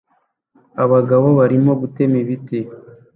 Abagabo barimo gutema ibiti